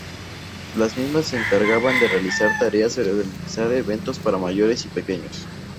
Las mismas se encargan de realizar tareas y organizar eventos para mayores y pequeños.